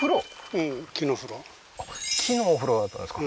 うん木のお風呂だったんですか？